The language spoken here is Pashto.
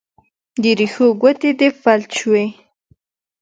د رېښو ګوتې دې فلج شوي